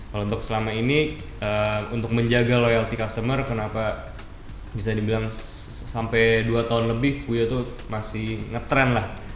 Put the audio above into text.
kalau untuk selama ini untuk menjaga loyalty customer kenapa bisa dibilang sampai dua tahun lebih puyo tuh masih ngetrend lah